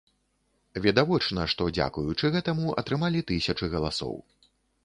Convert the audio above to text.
Відавочна, што, дзякуючы гэтаму, атрымалі тысячы галасоў.